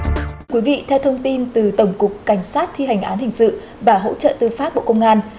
thưa quý vị theo thông tin từ tổng cục cảnh sát thi hành án hình sự và hỗ trợ tư pháp bộ công an